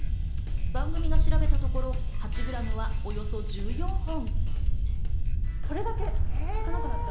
番組が調べたところ、８グラムは、およそ１４本。